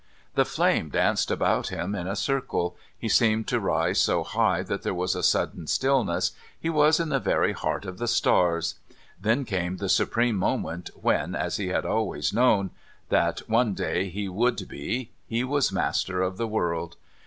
The flame danced about him in a circle, he seemed to rise so high that there was a sudden stillness, he was in the very heart of the stars; then came the supreme moment when, as he had always known, that one day he would be, he was master of the world...